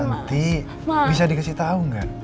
nanti bisa dikasih tau gak